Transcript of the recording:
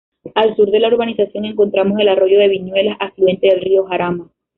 Al sur de la urbanización encontramos el arroyo de Viñuelas, afluente del río Jarama.